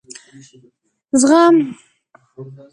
زغم ....